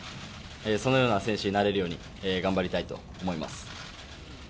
そのような選手になれるように頑張りたいと思います。